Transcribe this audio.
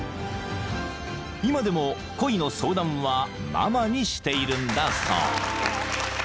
［今でも恋の相談はママにしているんだそう］